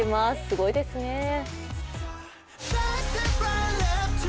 すごいですね。